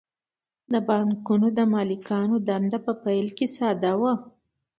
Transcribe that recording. د بانکونو د مالکانو دنده په پیل کې ساده وه